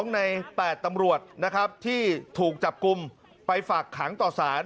ใน๘ตำรวจนะครับที่ถูกจับกลุ่มไปฝากขังต่อสาร